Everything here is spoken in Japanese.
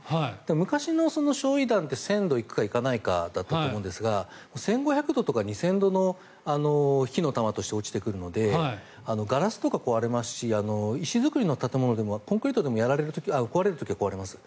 昔の焼い弾って１０００度行くか行かないかだったと思うんですが１５００度とか２０００度の火の玉として落ちてくるのでガラスとか壊れますし石造りの建物でもコンクリートも壊れる時は壊れます。